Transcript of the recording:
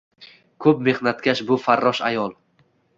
Ko‘p mehnatkash bu farrosh ayol